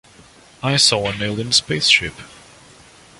I saw an alien spaceship.